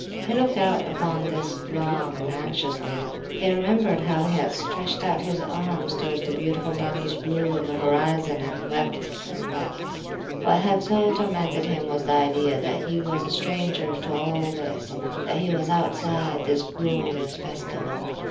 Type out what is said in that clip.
He looked out upon this, long and anxiously. He remembered how he had stretched out his arms towards the beautiful, boundless blue of the horizon, and wept, and wept. What had so tormented him was the idea that he was a stranger to all this, that he was outside this glorious festival.